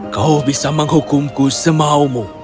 kau bisa menghukumku semaumu